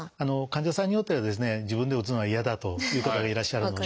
患者さんによっては自分で打つのは嫌だという方がいらっしゃるので。